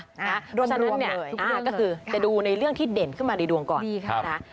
เพราะฉะนั้นแต่ดูในเรื่องที่เด่นขึ้นมาในดวงก่อน